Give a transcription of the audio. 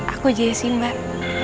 aku jessy mbak